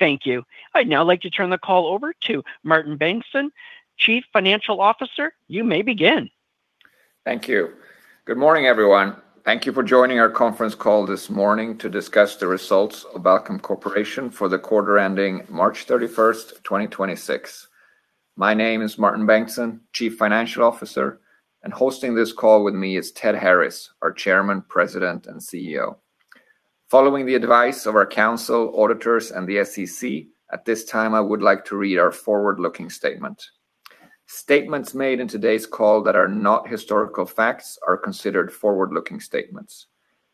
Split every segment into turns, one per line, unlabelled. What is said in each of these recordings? Thank you. I'd now like to turn the call over to Martin Bengtsson, Chief Financial Officer. You may begin.
Thank you. Good morning, everyone. Thank you for joining our conference call this morning to discuss the results of Balchem Corporation for the quarter ending March 31st, 2026. My name is Martin Bengtsson, Chief Financial Officer, and hosting this call with me is Ted Harris, our Chairman, President, and Chief Executive Officer. Following the advice of our counsel, auditors, and the SEC, at this time I would like to read our forward-looking statement. Statements made in today's call that are not historical facts are considered forward-looking statements.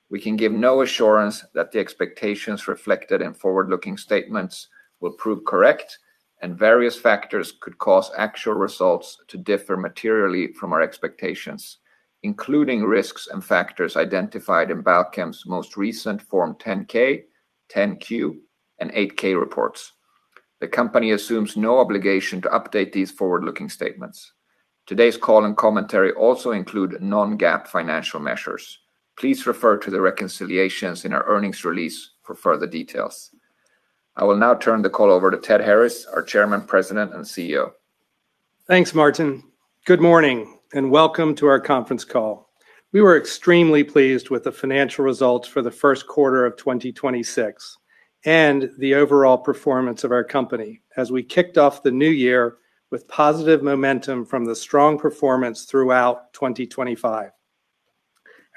We can give no assurance that the expectations reflected in forward-looking statements will prove correct, and various factors could cause actual results to differ materially from our expectations, including risks and factors identified in Balchem's most recent Form 10-K, Form 10-Q, and Form 8-K reports. The company assumes no obligation to update these forward-looking statements. Today's call and commentary also include Non-GAAP financial measures. Please refer to the reconciliations in our earnings release for further details. I will now turn the call over to Ted Harris, our Chairman, President, and Chief Executive Officer.
Thanks, Martin. Good morning and welcome to our conference call. We were extremely pleased with the financial results for the first quarter of 2026 and the overall performance of our company as we kicked off the new year with positive momentum from the strong performance throughout 2025.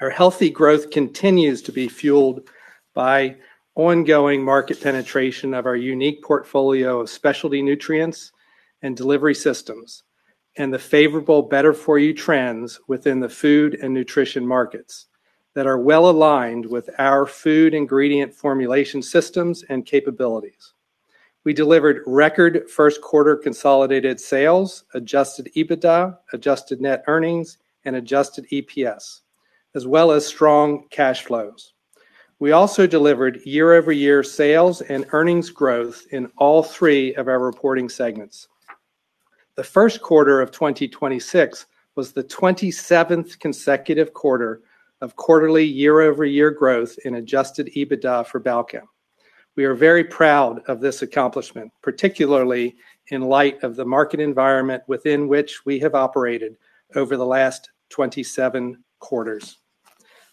Our healthy growth continues to be fueled by ongoing market penetration of our unique portfolio of specialty nutrients and delivery systems and the favorable better-for-you trends within the food and nutrition markets that are well aligned with our food ingredient formulation systems and capabilities. We delivered record first quarter consolidated sales, adjusted EBITDA, adjusted net earnings, and adjusted EPS, as well as strong cash flows. We also delivered year-over-year sales and earnings growth in all three of our reporting segments. The first quarter of 2026 was the 27th consecutive quarter of quarterly year-over-year growth in adjusted EBITDA for Balchem. We are very proud of this accomplishment, particularly in light of the market environment within which we have operated over the last 27 quarters.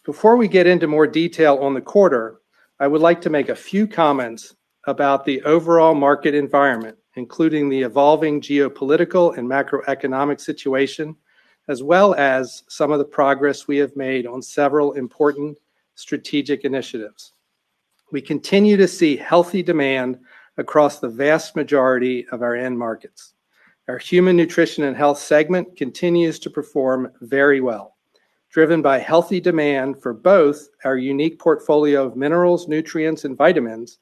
Before we get into more detail on the quarter, I would like to make a few comments about the overall market environment, including the evolving geopolitical and macroeconomic situation, as well as some of the progress we have made on several important strategic initiatives. We continue to see healthy demand across the vast majority of our end markets. Our Human Nutrition and Health segment continues to perform very well, driven by healthy demand for both our unique portfolio of minerals, nutrients, and vitamins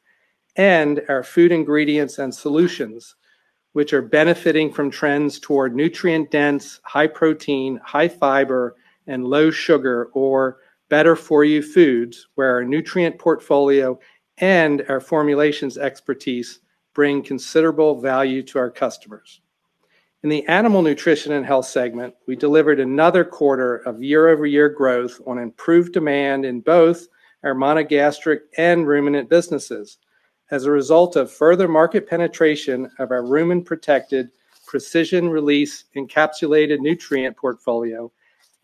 and our food ingredients and solutions, which are benefiting from trends toward nutrient-dense, high protein, high fiber, and low sugar or better-for-you foods where our nutrient portfolio and our formulations expertise bring considerable value to our customers. In the Animal Nutrition and Health Segment, we delivered another quarter of year-over-year growth on improved demand in both our monogastric and ruminant businesses as a result of further market penetration of our rumen-protected, precision-release encapsulated nutrient portfolio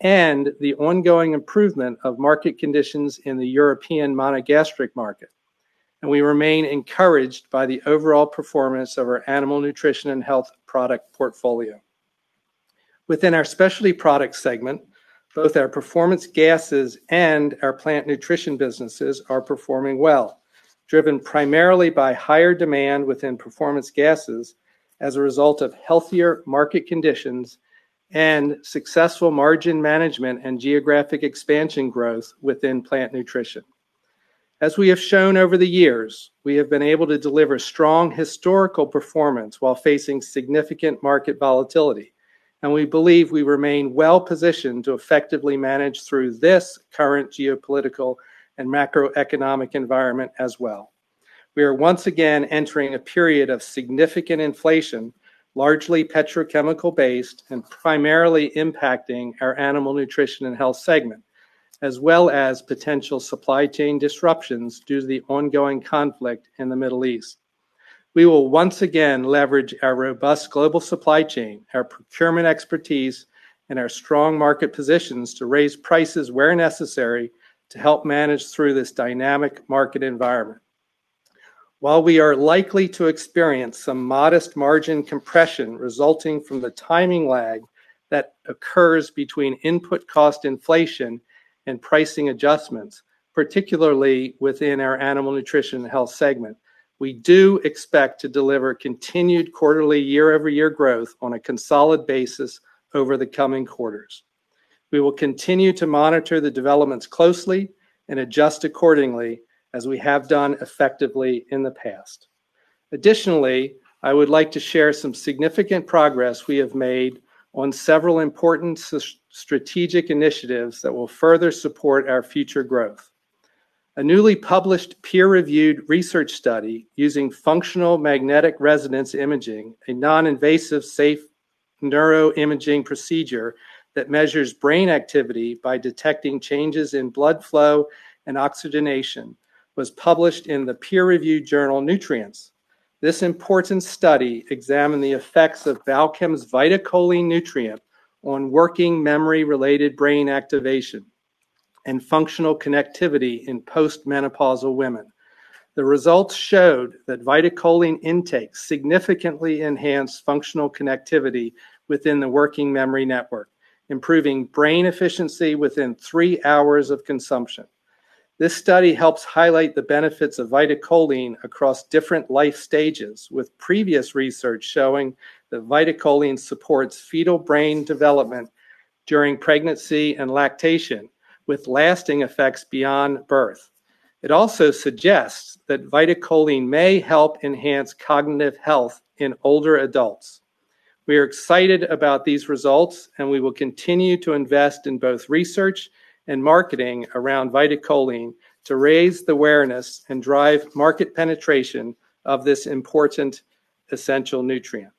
and the ongoing improvement of market conditions in the European monogastric market. We remain encouraged by the overall performance of our Animal Nutrition and Health product portfolio. Within our Specialty Product Segment, both our performance gases and our plant nutrition businesses are performing well, driven primarily by higher demand within performance gases as a result of healthier market conditions and successful margin management and geographic expansion growth within plant nutrition. As we have shown over the years, we have been able to deliver strong historical performance while facing significant market volatility, and we believe we remain well-positioned to effectively manage through this current geopolitical and macroeconomic environment as well. We are once again entering a period of significant inflation, largely petrochemical-based and primarily impacting our Animal Nutrition & Health segment, as well as potential supply chain disruptions due to the ongoing conflict in the Middle East. We will once again leverage our robust global supply chain, our procurement expertise, and our strong market positions to raise prices where necessary to help manage through this dynamic market environment. While we are likely to experience some modest margin compression resulting from the timing lag that occurs between input cost inflation and pricing adjustments, particularly within our Animal Nutrition & Health segment, we do expect to deliver continued quarterly year-over-year growth on a consolidated basis over the coming quarters. We will continue to monitor the developments closely and adjust accordingly as we have done effectively in the past. Additionally, I would like to share some significant progress we have made on several important strategic initiatives that will further support our future growth. A newly published peer-reviewed research study using functional magnetic resonance imaging, a non-invasive, safe neuroimaging procedure that measures brain activity by detecting changes in blood flow and oxygenation, was published in the peer-reviewed journal Nutrients. This important study examined the effects of Balchem's VitaCholine nutrient on working memory-related brain activation and functional connectivity in postmenopausal women. The results showed that VitaCholine intake significantly enhanced functional connectivity within the working memory network, improving brain efficiency within three hours of consumption. This study helps highlight the benefits of VitaCholine across different life stages, with previous research showing that VitaCholine supports fetal brain development during pregnancy and lactation, with lasting effects beyond birth. It also suggests that VitaCholine may help enhance cognitive health in older adults. We are excited about these results, and we will continue to invest in both research and marketing around VitaCholine to raise the awareness and drive market penetration of this important essential nutrient.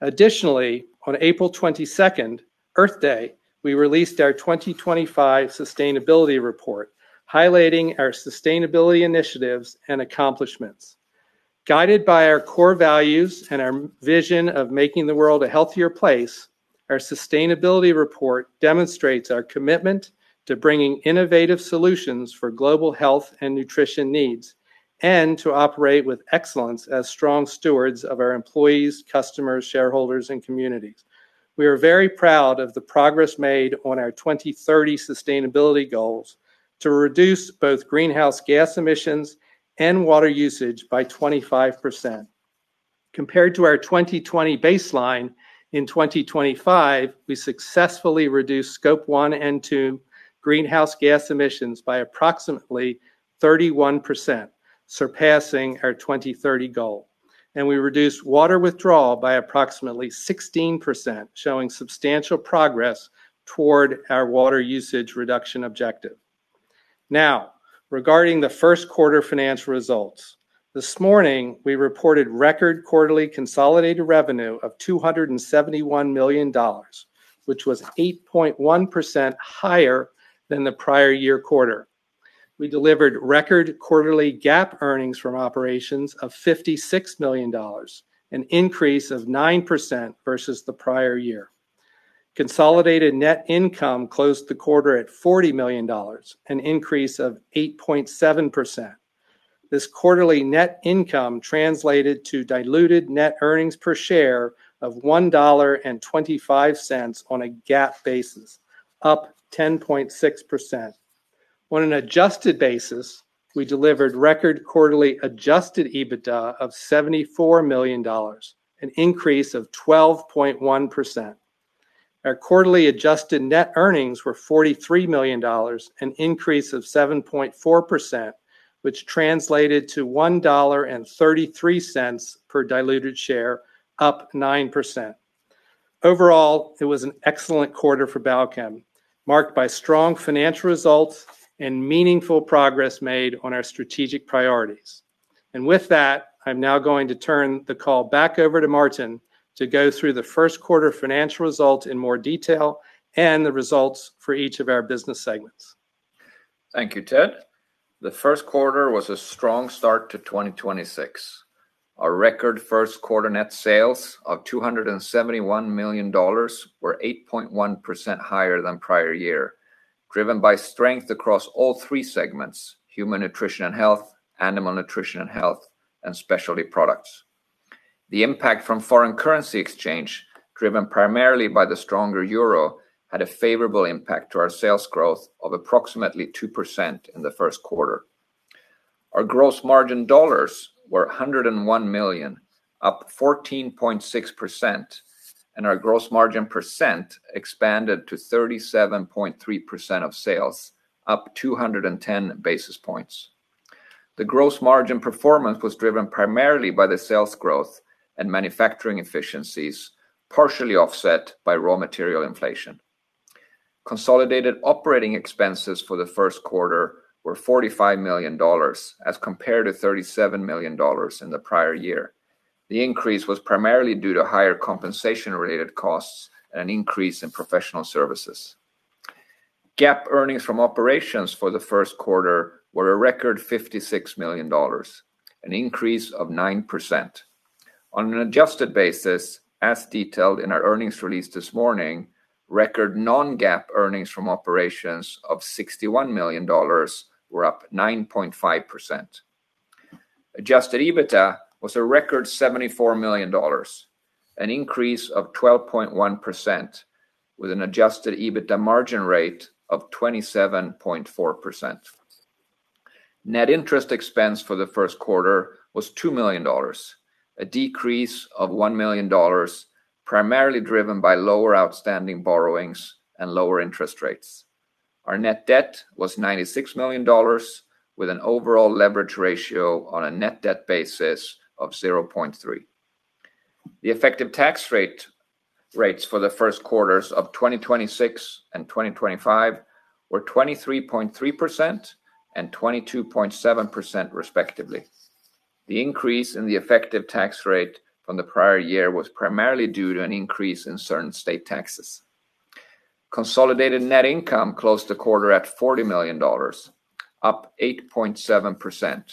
Additionally, on April 22nd, Earth Day, we released our 2025 Sustainability Report, highlighting our sustainability initiatives and accomplishments. Guided by our core values and our vision of making the world a healthier place, our Sustainability Report demonstrates our commitment to bringing innovative solutions for global health and nutrition needs, and to operate with excellence as strong stewards of our employees, customers, shareholders, and communities. We are very proud of the progress made on our 2030 sustainability goals to reduce both greenhouse gas emissions and water usage by 25%. Compared to our 2020 baseline, in 2025, we successfully reduced Scope 1 and Scope 2 greenhouse gas emissions by approximately 31%, surpassing our 2030 goal. We reduced water withdrawal by approximately 16%, showing substantial progress toward our water usage reduction objective. Regarding the first quarter financial results. This morning, we reported record quarterly consolidated revenue of $271 million, which was 8.1% higher than the prior year quarter. We delivered record quarterly GAAP earnings from operations of $56 million, an increase of 9% versus the prior year. Consolidated net income closed the quarter at $40 million, an increase of 8.7%. This quarterly net income translated to diluted net earnings per share of $1.25 on a GAAP basis, up 10.6%. On an adjusted basis, we delivered record quarterly adjusted EBITDA of $74 million, an increase of 12.1%. Our quarterly adjusted net earnings were $43 million, an increase of 7.4%, which translated to $1.33 per diluted share, up 9%. Overall, it was an excellent quarter for Balchem, marked by strong financial results and meaningful progress made on our strategic priorities. With that, I'm now going to turn the call back over to Martin to go through the first quarter financial results in more detail and the results for each of our business segments.
Thank you, Ted. The first quarter was a strong start to 2026. Our record first quarter net sales of $271 million were 8.1% higher than prior year, driven by strength across all three segments, Human Nutrition and Health, Animal Nutrition and Health, and Specialty Products. The impact from foreign currency exchange, driven primarily by the stronger euro, had a favorable impact to our sales growth of approximately 2% in the first quarter. Our gross margin dollars were $101 million, up 14.6%, and our gross margin percent expanded to 37.3% of sales, up 210 basis points. The gross margin performance was driven primarily by the sales growth and manufacturing efficiencies, partially offset by raw material inflation. Consolidated operating expenses for the first quarter were $45 million, as compared to $37 million in the prior year. The increase was primarily due to higher compensation-related costs and an increase in professional services. GAAP earnings from operations for the first quarter were a record $56 million, an increase of 9%. On an adjusted basis, as detailed in our earnings release this morning, record Non-GAAP earnings from operations of $61 million were up 9.5%. Adjusted EBITDA was a record $74 million, an increase of 12.1%, with an adjusted EBITDA margin rate of 27.4%. Net interest expense for the first quarter was $2 million, a decrease of $1 million, primarily driven by lower outstanding borrowings and lower interest rates. Our net debt was $96 million, with an overall leverage ratio on a net debt basis of 0.3x. The effective tax rates for the first quarters of 2026 and 2025 were 23.3% and 22.7%, respectively. The increase in the effective tax rate from the prior year was primarily due to an increase in certain state taxes. Consolidated net income closed the quarter at $40 million, up 8.7%.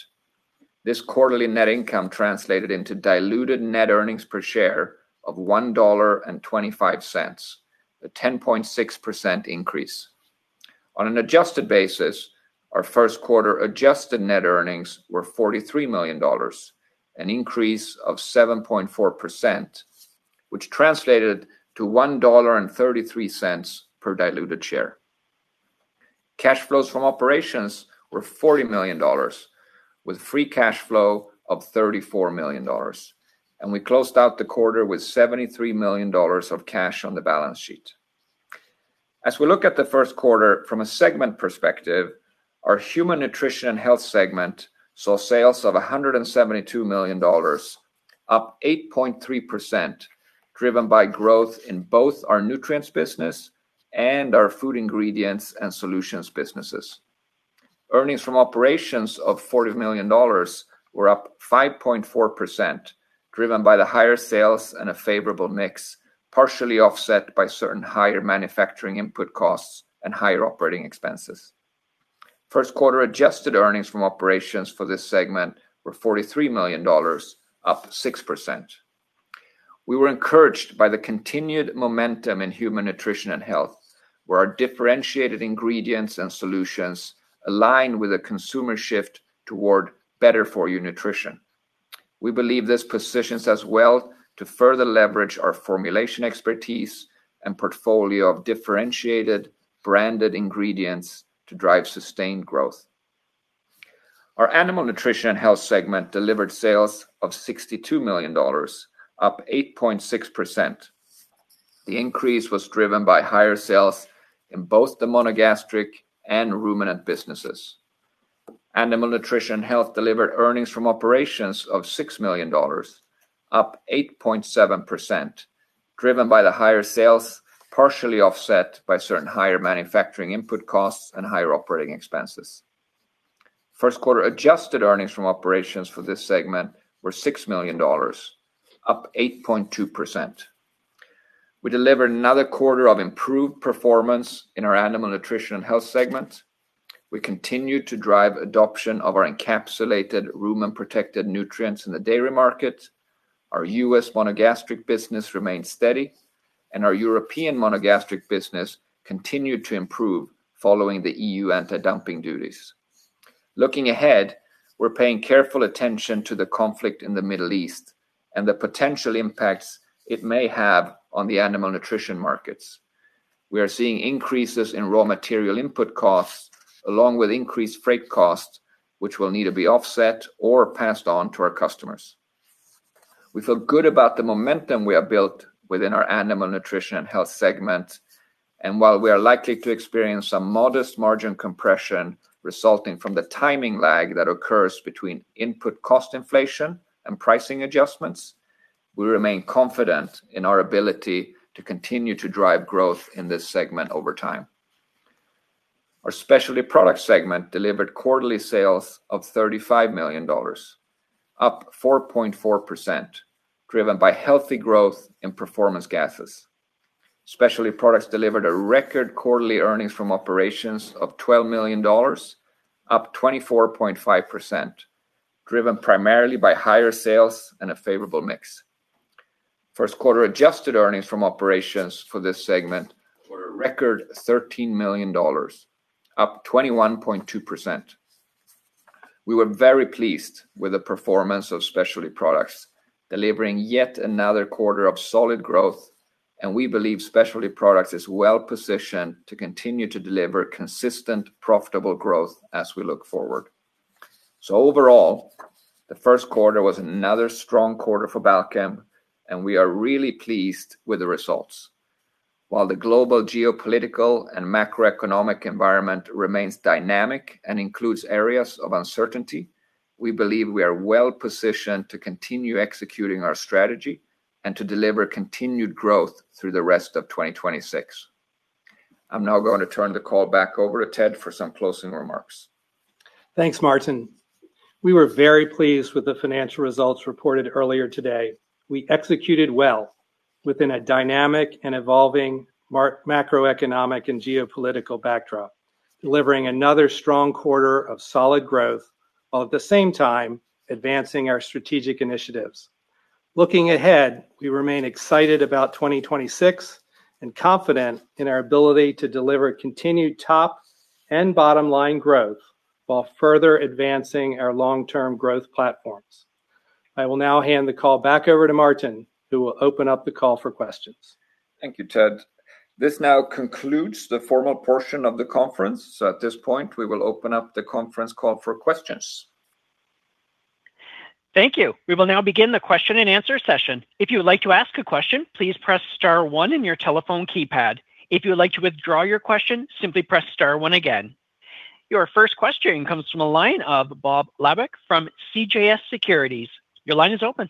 This quarterly net income translated into diluted net earnings per share of $1.25, a 10.6% increase. On an adjusted basis, our first quarter adjusted net earnings were $43 million, an increase of 7.4%, which translated to $1.33 per diluted share. Cash flows from operations were $40 million with free cash flow of $34 million, and we closed out the quarter with $73 million of cash on the balance sheet. As we look at the first quarter from a segment perspective, our human nutrition and health segment saw sales of $172 million, up 8.3%, driven by growth in both our nutrients business and our food ingredients and solutions businesses. Earnings from operations of $40 million were up 5.4%, driven by the higher sales and a favorable mix, partially offset by certain higher manufacturing input costs and higher operating expenses. First quarter adjusted earnings from operations for this segment were $43 million, up 6%. We were encouraged by the continued momentum in Human Nutrition and Health, where our differentiated ingredients and solutions align with a consumer shift toward better for you nutrition. We believe this positions us well to further leverage our formulation expertise and portfolio of differentiated branded ingredients to drive sustained growth. Our Animal Nutrition and Health segment delivered sales of $62 million, up 8.6%. The increase was driven by higher sales in both the monogastric and ruminant businesses. Animal Nutrition & Health delivered earnings from operations of $6 million, up 8.7%, driven by the higher sales, partially offset by certain higher manufacturing input costs and higher operating expenses. First quarter adjusted earnings from operations for this segment were $6 million, up 8.2%. We delivered another quarter of improved performance in the Animal Nutrition & Health segment. We continued to drive adoption of our encapsulated rumen-protected nutrients in the dairy market. Our U.S. monogastric business remained steady, and our European monogastric business continued to improve following the EU anti-dumping duties. Looking ahead, we're paying careful attention to the conflict in the Middle East and the potential impacts it may have on the animal nutrition markets. We are seeing increases in raw material input costs along with increased freight costs, which will need to be offset or passed on to our customers. We feel good about the momentum we have built within our Animal Nutrition and Health Segment, while we are likely to experience some modest margin compression resulting from the timing lag that occurs between input cost inflation and pricing adjustments, we remain confident in our ability to continue to drive growth in this segment over time. Our Specialty Products Segment delivered quarterly sales of $35 million, up 4.4%, driven by healthy growth in performance gases. Specialty Products delivered a record quarterly earnings from operations of $12 million, up 24.5%, driven primarily by higher sales and a favorable mix. First quarter adjusted earnings from operations for this segment were a record $13 million, up 21.2%. We were very pleased with the performance of specialty products, delivering yet another quarter of solid growth. We believe specialty products is well-positioned to continue to deliver consistent, profitable growth as we look forward. Overall, the first quarter was another strong quarter for Balchem. We are really pleased with the results. While the global geopolitical and macroeconomic environment remains dynamic and includes areas of uncertainty, we believe we are well-positioned to continue executing our strategy and to deliver continued growth through the rest of 2026. I'm now going to turn the call back over to Ted for some closing remarks.
Thanks, Martin. We were very pleased with the financial results reported earlier today. We executed well within a dynamic and evolving macroeconomic and geopolitical backdrop, delivering another strong quarter of solid growth, while at the same time advancing our strategic initiatives. Looking ahead, we remain excited about 2026 and confident in our ability to deliver continued top and bottom line growth while further advancing our long-term growth platforms. I will now hand the call back over to Martin, who will open up the call for questions.
Thank you, Ted. This now concludes the formal portion of the conference. At this point, we will open up the conference call for questions.
Thank you. We will now begin the question and answer session. If you would like to ask a question, please press star one on your telephone keypad. If you would like to withdraw your question, simply press star one again. Your first question comes from a line of Bob Labick from CJS Securities. Your line is open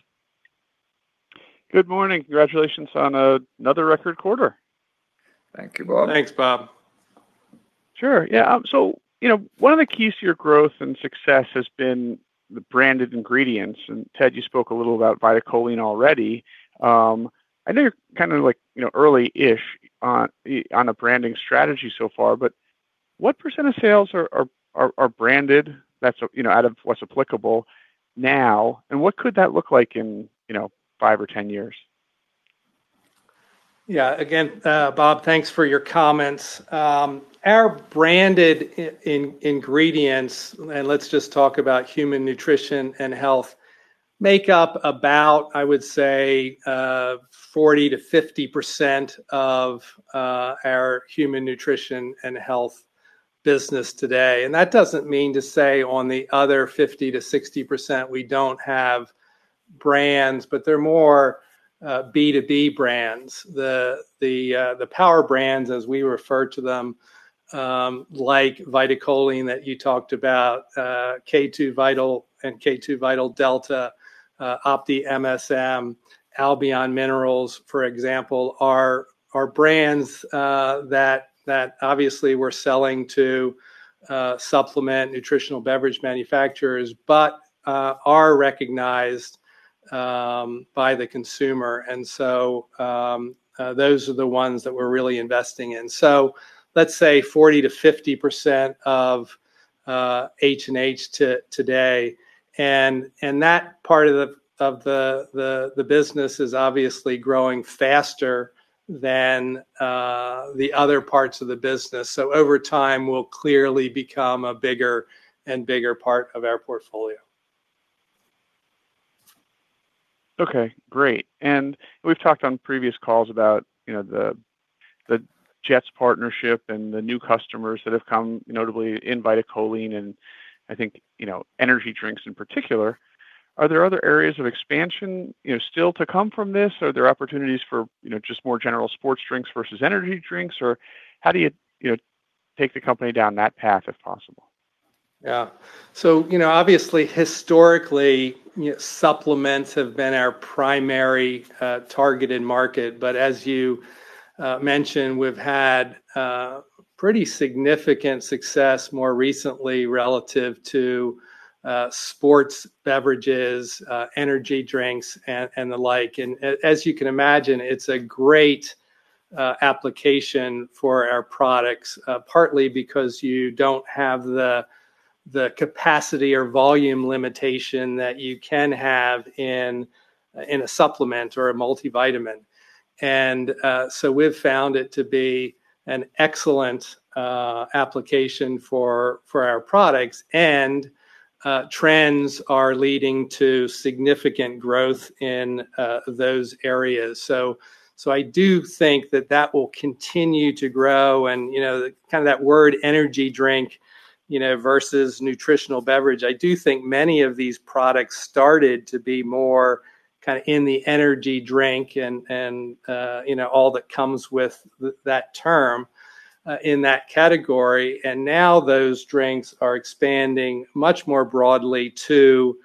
Good morning. Congratulations on another record quarter.
Thank you, Bob.
Thanks, Bob.
Sure. Yeah. You know, one of the keys to your growth and success has been the branded ingredients. Ted, you spoke a little about VitaCholine already. I know you're kind of like, you know, early-ish on a branding strategy so far. What % of sales are branded that's, you know, out of what's applicable now, and what could that look like in, you know, five years or 10 years?
Bob Labick, thanks for your comments. Our branded ingredients, and let's just talk about human nutrition and health, make up about, I would say, 40%-50% of our human nutrition and health business today. That doesn't mean to say on the other 50%-60% we don't have brands, but they're more B2B brands. The power brands, as we refer to them, like VitaCholine that you talked about, K2VITAL and K2VITAL DELTA, OptiMSM, Albion Minerals, for example, are brands that obviously we're selling to supplement nutritional beverage manufacturers. Are recognized by the consumer. Those are the ones that we're really investing in. Let's say 40%-50% of H&H today. That part of the business is obviously growing faster than the other parts of the business. Over time will clearly become a bigger and bigger part of our portfolio.
Okay, great. We've talked on previous calls about, you know, the Jets partnership and the new customers that have come, notably in VitaCholine and I think, you know, energy drinks in particular. Are there other areas of expansion, you know, still to come from this? Are there opportunities for, you know, just more general sports drinks versus energy drinks? Or how do you know, take the company down that path, if possible?
Yeah. You know, obviously historically, you know, supplements have been our primary targeted market. As you mentioned, we've had pretty significant success more recently relative to sports beverages, energy drinks and the like. As you can imagine, it's a great application for our products, partly because you don't have the capacity or volume limitation that you can have in a supplement or a multivitamin. We've found it to be an excellent application for our products and trends are leading to significant growth in those areas. I do think that that will continue to grow. You know, kind of that word energy drink, you know, versus nutritional beverage, I do think many of these products started to be more kind of in the energy drink and, all that comes with that term in that category. Now those drinks are expanding much more broadly to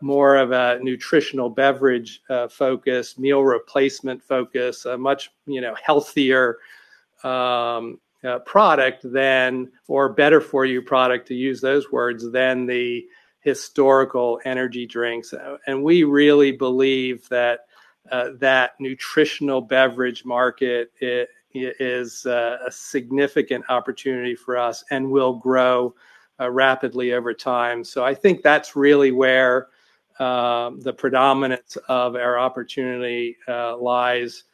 more of a nutritional beverage focus, meal replacement focus. A much, you know, healthier product than or better for you product, to use those words, than the historical energy drinks. We really believe that nutritional beverage market is a significant opportunity for us and will grow rapidly over time. I think that's really where the predominance of our opportunity lies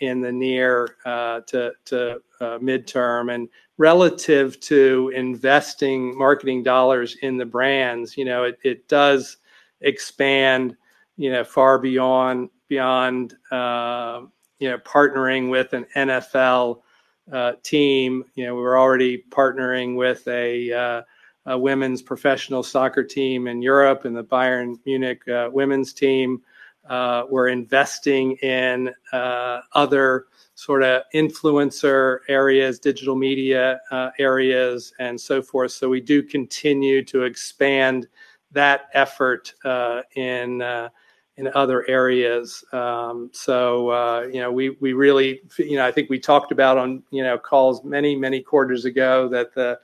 in the near to midterm. Relative to investing marketing dollars in the brands, you know, it does expand, you know, far beyond, you know, partnering with an NFL team. You know, we're already partnering with a women's professional soccer team in Europe, in the FC Bayern Munich women's team. We're investing in other sort of influencer areas, digital media areas and so forth. So we do continue to expand that effort in other areas. So, you know, we really, you know, I think we talked about on, you know, calls many, many quarters ago that the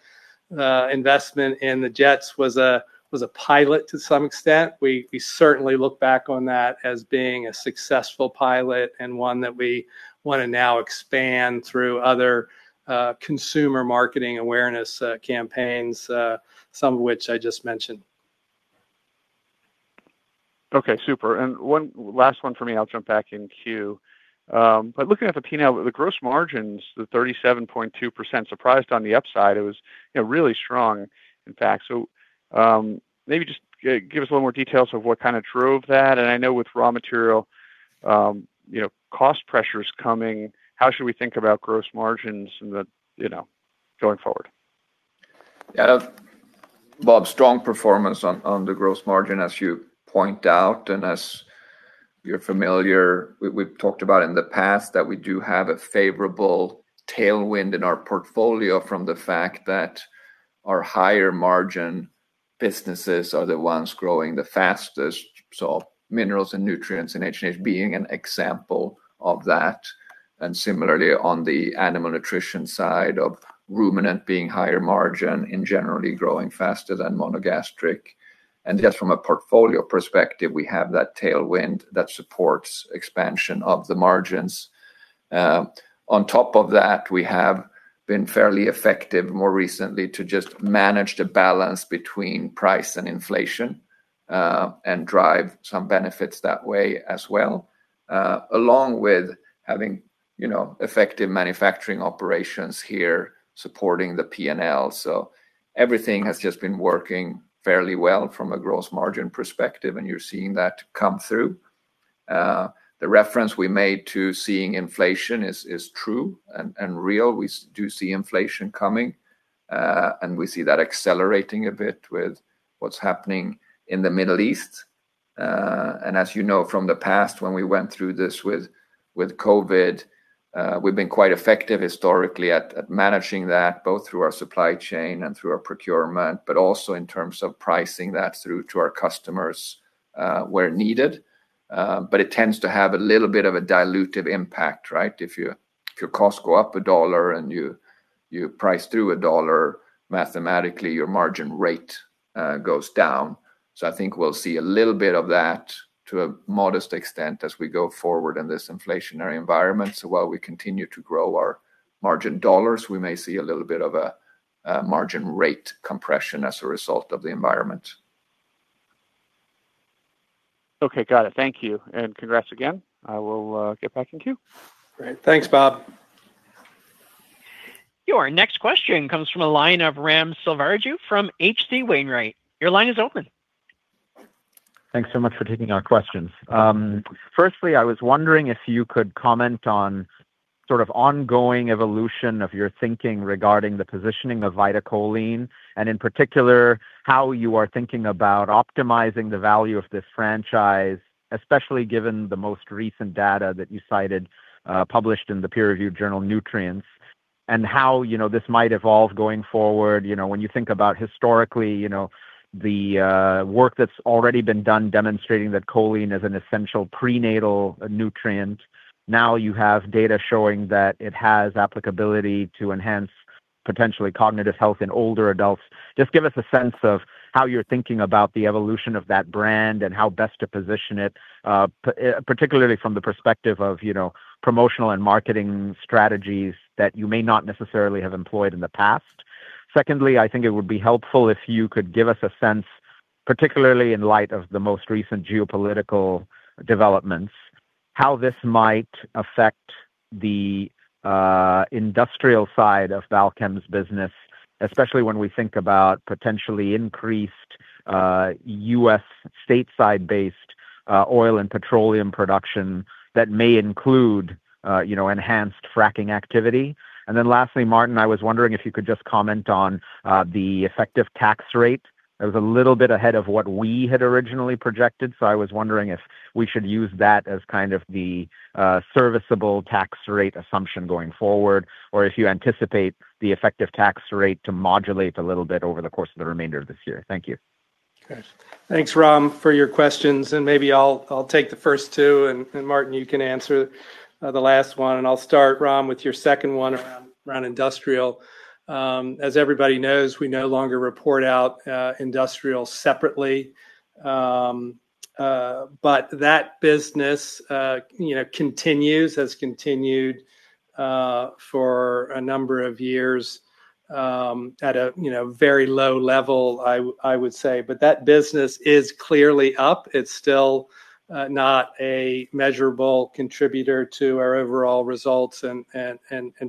investment in the Jets was a, was a pilot to some extent. We certainly look back on that as being a successful pilot and one that we want to now expand through other consumer marketing awareness campaigns, some of which I just mentioned.
Okay. Super. One last one for me, I'll jump back in queue. Looking at the P&L, the gross margins, the 37.2% surprised on the upside. It was, you know, really strong, in fact. Maybe just give us a little more details of what kind of drove that. I know with raw material, you know, cost pressure is coming. How should we think about gross margins and the, you know, going forward?
Bob Labick, strong performance on the gross margin, as you point out, and as you're familiar, we've talked about in the past that we do have a favorable tailwind in our portfolio from the fact that our higher-margin businesses are the ones growing the fastest. Minerals and Nutrients and H&H being an example of that. Similarly on the animal nutrition side of ruminant being higher-margin and generally growing faster than monogastric. Just from a portfolio perspective, we have that tailwind that supports expansion of the margins. On top of that, we have been fairly effective more recently to just manage the balance between price and inflation and drive some benefits that way as well, along with having, you know, effective manufacturing operations here supporting the P&L. Everything has just been working fairly well from a gross margin perspective, and you're seeing that come through. The reference we made to seeing inflation is true and real. We do see inflation coming, and we see that accelerating a bit with what's happening in the Middle East. And as you know from the past when we went through this with COVID, we've been quite effective historically at managing that, both through our supply chain and through our procurement, but also in terms of pricing that through to our customers, where needed. It tends to have a little bit of a dilutive impact, right. If your costs go up $1 and you price through $1, mathematically your margin rate goes down. I think we'll see a little bit of that to a modest extent as we go forward in this inflationary environment. While we continue to grow our margin dollars, we may see a little bit of a margin rate compression as a result of the environment.
Okay, got it. Thank you, and congrats again. I will get back in queue.
Great. Thanks, Bob.
Your next question comes from a line of Ram Selvaraju from H.C. Wainwright. Your line is open.
Thanks so much for taking our questions. Firstly, I was wondering if you could comment on sort of ongoing evolution of your thinking regarding the positioning of VitaCholine, and in particular, how you are thinking about optimizing the value of this franchise, especially given the most recent data that you cited, published in the peer-reviewed journal Nutrients, and how, you know, this might evolve going forward. You know, when you think about historically, you know, the work that's already been done demonstrating that choline is an essential prenatal nutrient. Now you have data showing that it has applicability to enhance potentially cognitive health in older adults. Just give us a sense of how you're thinking about the evolution of that brand and how best to position it, particularly from the perspective of, you know, promotional and marketing strategies that you may not necessarily have employed in the past. Secondly, I think it would be helpful if you could give us a sense, particularly in light of the most recent geopolitical developments, how this might affect the industrial side of Balchem's business, especially when we think about potentially increased U.S. state side-based oil and petroleum production that may include, you know, enhanced fracking activity. Lastly, Martin, I was wondering if you could just comment on the effective tax rate. It was a little bit ahead of what we had originally projected. I was wondering if we should use that as kind of the serviceable tax rate assumption going forward, or if you anticipate the effective tax rate to modulate a little bit over the course of the remainder of this year. Thank you.
Thanks, Ram, for your questions. Maybe I'll take the first two and Martin, you can answer the last one. I'll start, Ram, with your second one around industrial. As everybody knows, we no longer report out industrial separately. That business, you know, continues, has continued for a number of years, at a, you know, very low level I would say. That business is clearly up. It's still not a measurable contributor to our overall results and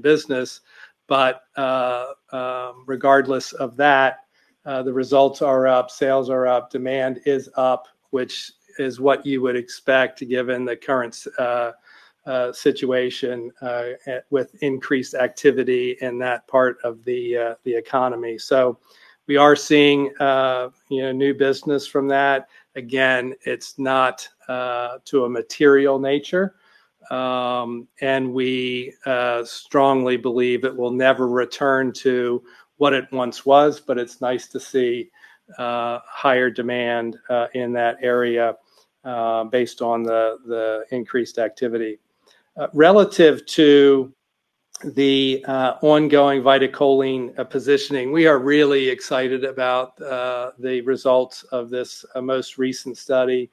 business. Regardless of that, the results are up, sales are up, demand is up, which is what you would expect given the current situation with increased activity in that part of the economy. We are seeing, you know, new business from that. Again, it's not to a material nature, and we strongly believe it will never return to what it once was, but it's nice to see higher demand in that area based on the increased activity. Relative to the ongoing VitaCholine positioning, we are really excited about the results of this most recent study.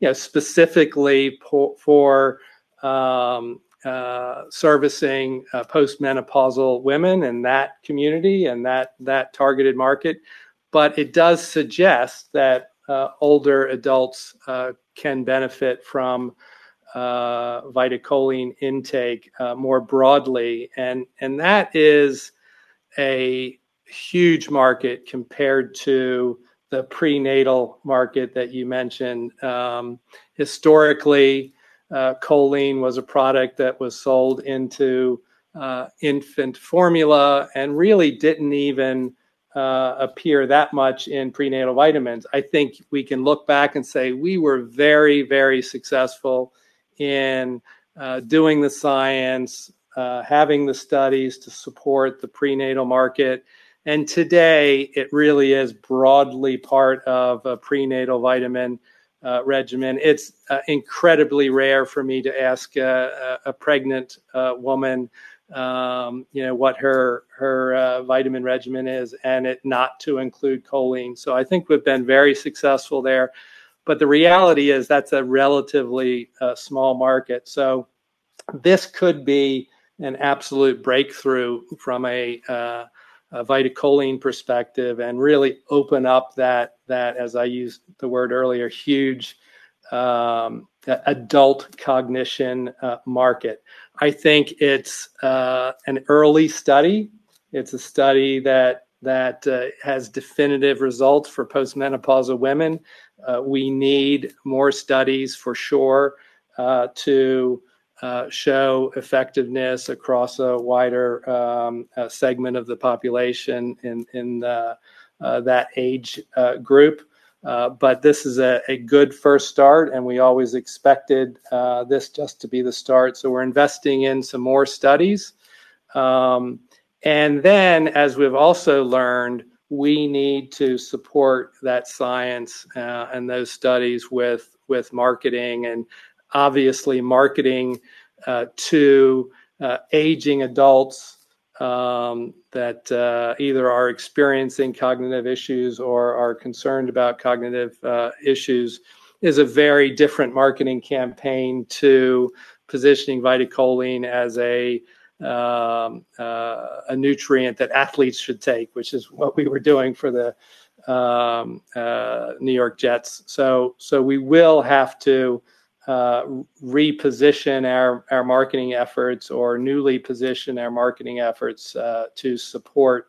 You know, specifically for servicing post-menopausal women in that community and that targeted market. It does suggest that older adults can benefit from VitaCholine intake more broadly. That is a huge market compared to the prenatal market that you mentioned. Historically, choline was a product that was sold into infant formula and really didn't even appear that much in prenatal vitamins. I think we can look back and say we were very, very successful in doing the science, having the studies to support the prenatal market. Today it really is broadly part of a prenatal vitamin regimen. It's incredibly rare for me to ask a pregnant woman, you know, what her vitamin regimen is and it not to include choline. I think we've been very successful there. The reality is that's a relatively small market. This could be an absolute breakthrough from a VitaCholine perspective and really open up that, as I used the word earlier, huge adult cognition market. I think it's an early study. It's a study that has definitive results for post-menopausal women. We need more studies for sure to show effectiveness across a wider segment of the population in the that age group. But this is a good first start and we always expected this just to be the start. We're investing in some more studies. As we've also learned, we need to support that science and those studies with marketing. Obviously marketing to aging adults that either are experiencing cognitive issues or are concerned about cognitive issues, is a very different marketing campaign to positioning VitaCholine as a nutrient that athletes should take, which is what we were doing for the New York Jets. We will have to reposition our marketing efforts or newly position our marketing efforts to support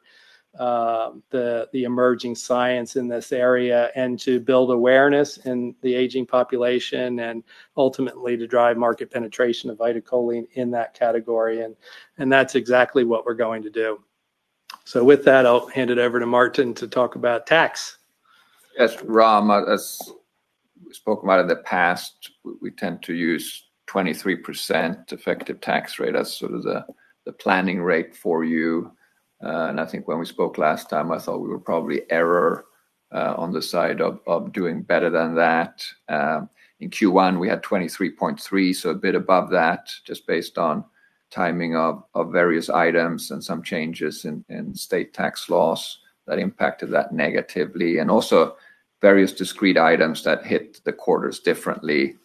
the emerging science in this area and to build awareness in the aging population and ultimately to drive market penetration of VitaCholine in that category and that's exactly what we're going to do. With that, I'll hand it over to Martin to talk about tax.
Yes, Ram, as we spoke about in the past, we tend to use 23% effective tax rate as sort of the planning rate for you. And I think when we spoke last time, I thought we were probably erring on the side of doing better than that. In Q1 we had 23.3%, so a bit above that just based on timing of various items and some changes in state tax laws that impacted that negatively and also various discrete items that hit the quarters differently.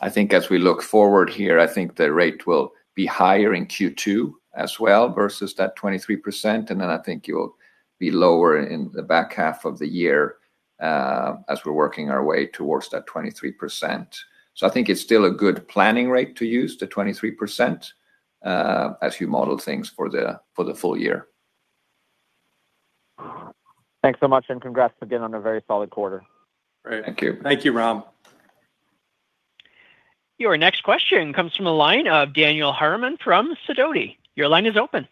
I think as we look forward here, I think the rate will be higher in Q2 as well versus that 23%, and then I think you'll be lower in the back half of the year as we're working our way towards that 23%. I think it's still a good planning rate to use, the 23%, as you model things for the full year.
Thanks so much, and congrats again on a very solid quarter.
Great.
Thank you
Thank you, Ram.
Your next question comes from the line of Daniel Harriman from Sidoti. Your line is open.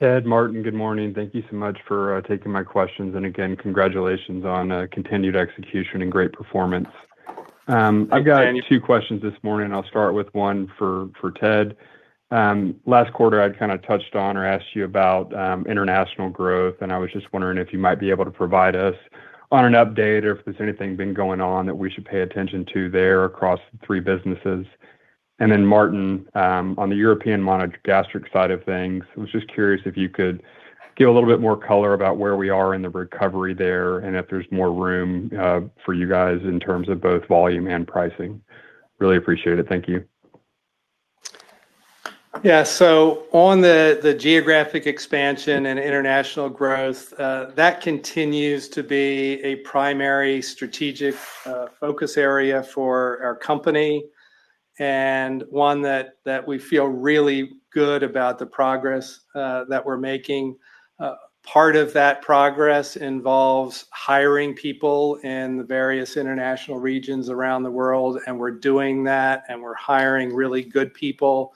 Ted, Martin, good morning. Thank you so much for taking my questions. Again, congratulations on continued execution and great performance. I've got two questions this morning. I'll start with one for Ted Harris. Last quarter I'd kind of touched on or asked you about international growth, and I was just wondering if you might be able to provide us on an update or if there's anything been going on that we should pay attention to there across the three businesses. Then Martin Bengtsson, on the European monogastric side of things, I was just curious if you could give a little bit more color about where we are in the recovery there, and if there's more room for you guys in terms of both volume and pricing. Really appreciate it. Thank you.
On the geographic expansion and international growth, that continues to be a primary strategic focus area for our company and one that we feel really good about the progress that we're making. Part of that progress involves hiring people in the various international regions around the world, and we're doing that, and we're hiring really good people.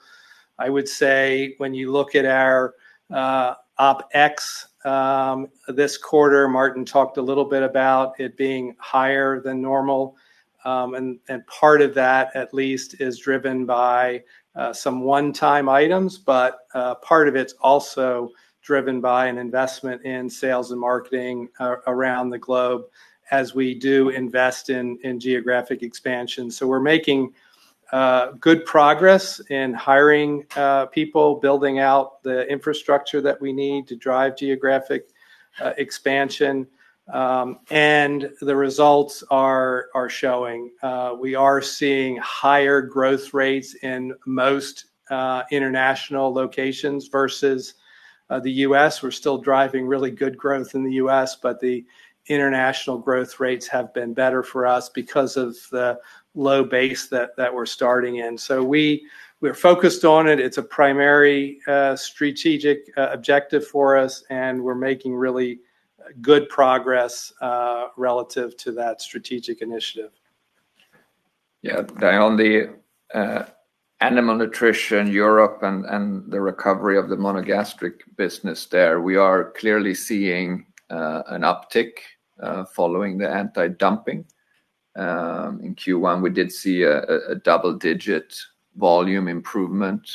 I would say when you look at our OpEx this quarter, Martin talked a little bit about it being higher than normal. Part of that at least is driven by some one-time items, but part of it's also driven by an investment in sales and marketing around the globe as we do invest in geographic expansion. We're making good progress in hiring people, building out the infrastructure that we need to drive geographic expansion. The results are showing. We are seeing higher growth rates in most international locations versus the U.S. We're still driving really good growth in the U.S., but the international growth rates have been better for us because of the low base that we're starting in. We're focused on it. It's a primary strategic objective for us, and we're making really good progress relative to that strategic initiative.
Yeah. The only animal nutrition Europe and the recovery of the monogastric business there, we are clearly seeing an uptick following the anti-dumping. In Q1 we did see a double-digit volume improvement.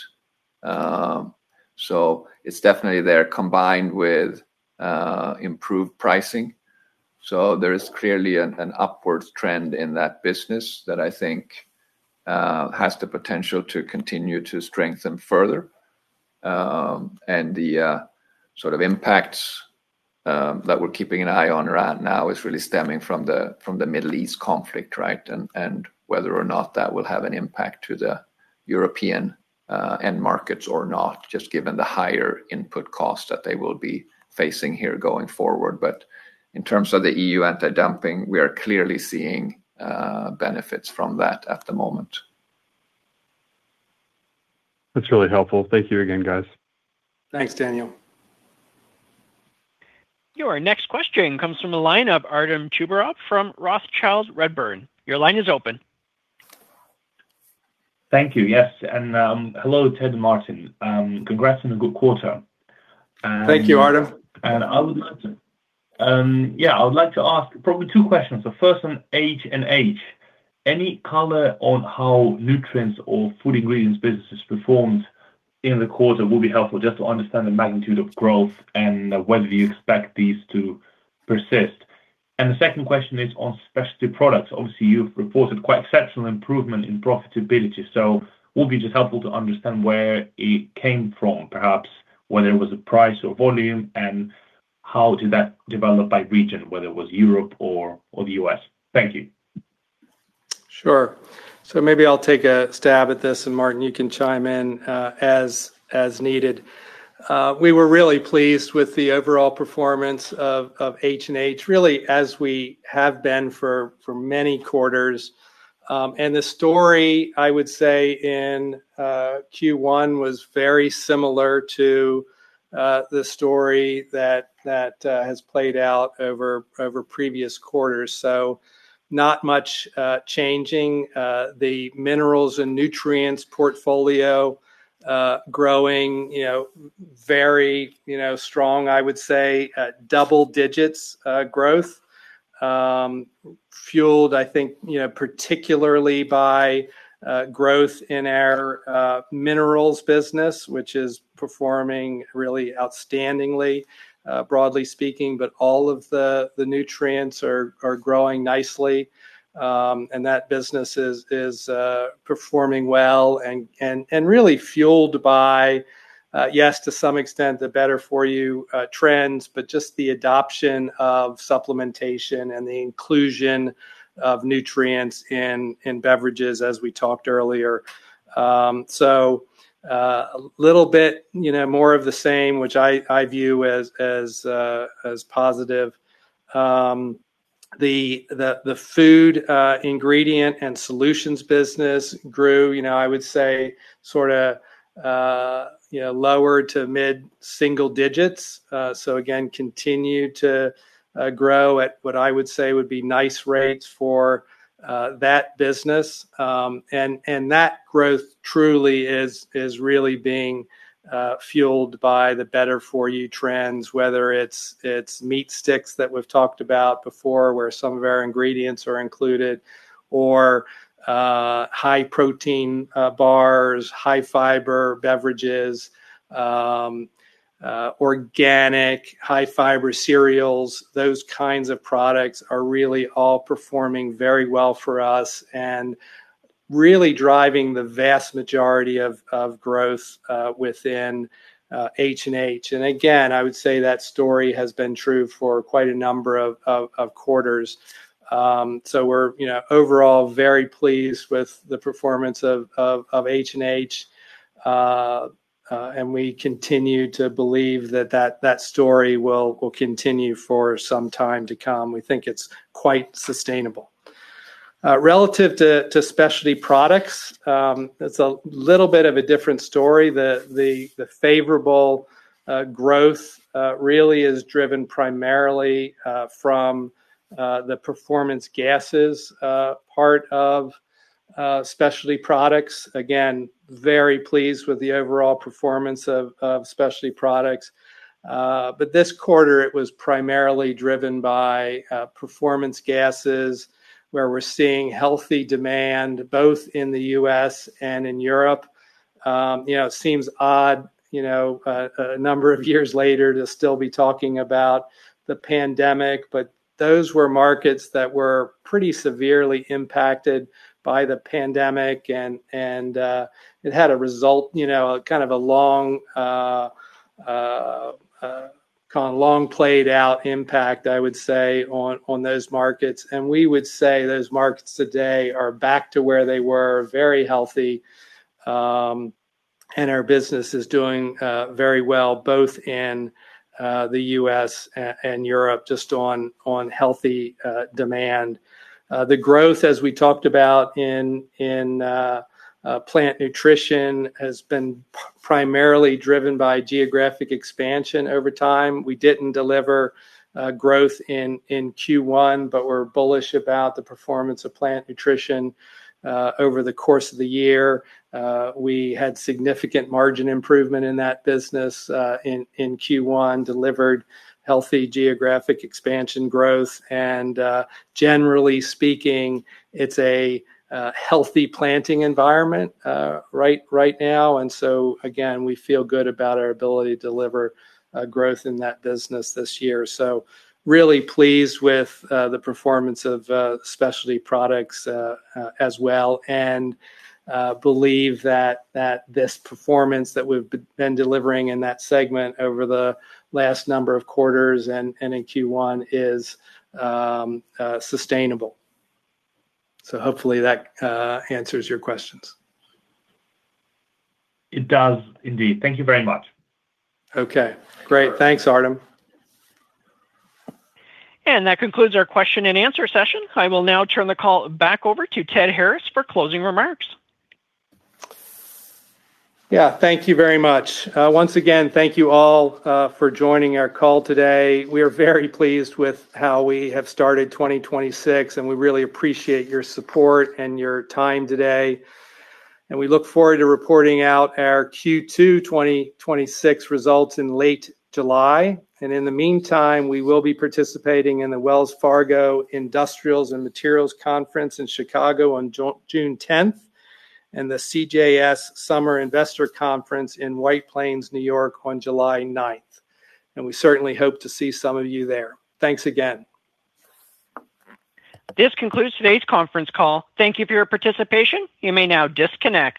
It's definitely there, combined with improved pricing. There is clearly an upwards trend in that business that I think has the potential to continue to strengthen further. The sort of impacts that we're keeping an eye on right now is really stemming from the Middle East conflict. Whether or not that will have an impact to the European end markets or not, just given the higher input costs that they will be facing here going forward. In terms of the European Union anti-dumping, we are clearly seeing benefits from that at the moment.
That's really helpful. Thank you again, guys.
Thanks, Daniel.
Your next question comes from the line of Artem Chubarov from Rothschild & Co Redburn. Your line is open.
Thank you. Yes. Hello, Ted and Martin. Congrats on a good quarter.
Thank you, Artem
I would like to, yeah, I would like to ask probably two questions. The first on H&H. Any color on how nutrients or food ingredients businesses performed in the quarter will be helpful, just to understand the magnitude of growth and whether you expect these to persist. The second question is on specialty products. Obviously, you've reported quite exceptional improvement in profitability, would be just helpful to understand where it came from, perhaps whether it was a price or volume, and how did that develop by region, whether it was Europe or the U.S. Thank you.
Sure. Maybe I'll take a stab at this, and Martin, you can chime in as needed. We were really pleased with the overall performance of H&H, really as we have been for many quarters. The story, I would say, in Q1 was very similar to the story that has played out over previous quarters. Not much changing. The minerals and Nutrients portfolio growing, you know, very strong. I would say double-digit growth. Fueled I think, you know, particularly by growth in our minerals business, which is performing really outstandingly broadly speaking. All of the nutrients are growing nicely. That business is performing well and really fueled by, yes, to some extent the better for you trends, but just the adoption of supplementation and the inclusion of nutrients in beverages, as we talked earlier. Little bit, you know, more of the same, which I view as positive. The food ingredient and solutions business grew, you know, I would say sorta, you know, lower to mid single digits. Again, continued to grow at what I would say would be nice rates for that business. That growth truly is really being fueled by the better for you trends, whether it's meat sticks that we've talked about before, where some of our ingredients are included, or high protein bars, high fiber beverages, organic high fiber cereals. Those kinds of products are really all performing very well for us and really driving the vast majority of growth within H&H. Again, I would say that story has been true for quite a number of quarters. We're, you know, overall very pleased with the performance of H&H. We continue to believe that that story will continue for some time to come. We think it's quite sustainable. Relative to specialty products, it's a little bit of a different story. The favorable growth really is driven primarily from the performance gases part of specialty products. Again, very pleased with the overall performance of specialty products. This quarter it was primarily driven by performance gases, where we're seeing healthy demand both in the U.S. and in Europe. You know, it seems odd, you know, a number of years later to still be talking about the pandemic, but those were markets that were pretty severely impacted by the pandemic and it had a result, you know, a kind of a long played out impact, I would say, on those markets. We would say those markets today are back to where they were, very healthy, and our business is doing very well both in the U.S. and Europe, just on healthy demand. The growth, as we talked about in plant nutrition, has been primarily driven by geographic expansion over time. We didn't deliver growth in Q1, but we're bullish about the performance of plant nutrition over the course of the year. We had significant margin improvement in that business in Q1, delivered healthy geographic expansion growth and, generally speaking, it's a healthy planting environment right now. Again, we feel good about our ability to deliver growth in that business this year. Really pleased with the performance of specialty products as well, and believe that this performance that we've been delivering in that segment over the last number of quarters and in Q1 is sustainable. Hopefully that answers your questions.
It does indeed. Thank you very much.
Okay, great. Thanks, Artem.
That concludes our question and answer session. I will now turn the call back over to Ted Harris for closing remarks.
Thank you very much. Once again, thank you all for joining our call today. We are very pleased with how we have started 2026. We really appreciate your support and your time today. We look forward to reporting out our Q2 2026 results in late July. In the meantime, we will be participating in the Wells Fargo Industrials and Materials Conference in Chicago on June 10th. The CJS Summer Investor Conference in White Plains, N.Y. on July 9th. We certainly hope to see some of you there. Thanks again.
This concludes today's conference call. Thank you for your participation. You may now disconnect.